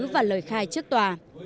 và lời khai trước tòa